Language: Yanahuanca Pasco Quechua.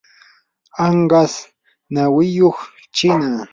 anqas nawiyuq chiina.